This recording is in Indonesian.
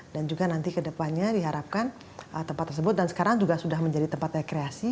dan juga nanti kedepannya diharapkan tempat tersebut dan sekarang juga sudah menjadi tempat rekreasi